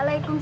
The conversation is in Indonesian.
ya itu dong